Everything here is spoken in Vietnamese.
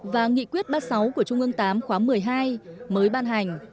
và nghị quyết ba mươi sáu của trung ương tám khóa một mươi hai mới ban hành